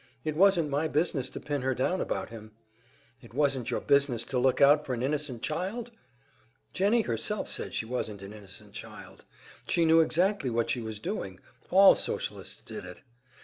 It wasn't my business to pin her down about him." "It wasn't your business to look out for an innocent child?" "Jennie herself said she wasn't an innocent child, she knew exactly what she was doing all Socialists did it."